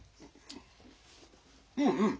うんうん。